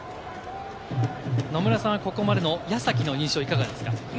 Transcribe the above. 野村さんはここまでの矢崎の印象はいかがですか？